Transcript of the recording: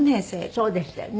そうでしたよね。